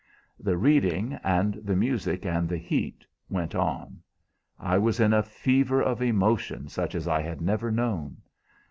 "The reading and the music and the heat went on. I was in a fever of emotion such as I had never known.